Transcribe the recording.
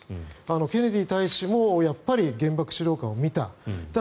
ケネディ大使もやっぱり原爆資料館を見た。